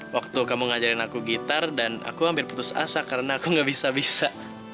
waktu kamu ngajarin aku gitar dan aku hampir putus asa karena aku gak bisa bisa